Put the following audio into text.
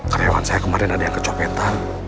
karyawan saya kemarin ada yang kecopetan